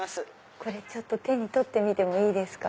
これ手に取ってもいいですか？